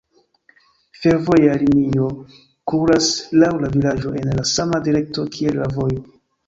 Fervoja linio kuras laŭ la vilaĝo en la sama direkto kiel la vojo.